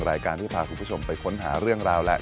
รายการที่พาคุณผู้ชมไปค้นหาเรื่องราวและ